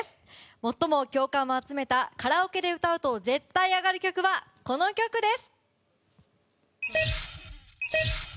最も共感を集めたカラオケで歌うと絶対アガる曲はこの曲です！